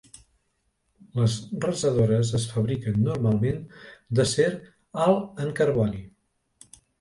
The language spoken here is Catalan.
Les rasadores es fabriquen normalment d'acer alt en carboni.